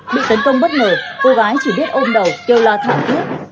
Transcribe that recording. bị tấn công bất ngờ cô gái chỉ biết ôm đầu kêu la thảm thiết